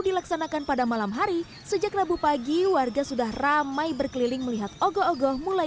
dilaksanakan pada malam hari sejak rabu pagi warga sudah ramai berkeliling melihat ogo ogoh mulai